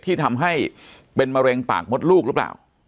ที่ทำให้เป็นมะเร็งปากมดลูกหรือเปล่า